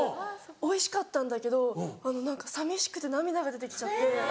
おいしかったんだけど何か寂しくて涙が出てきちゃって。